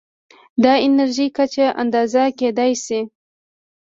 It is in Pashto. د انرژۍ کچه اندازه کېدای شي.